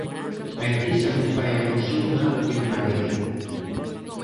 A enquisa non fai alusión a En Marea.